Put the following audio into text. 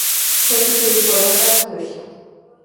Fue sucedido por Avatar Kyoshi.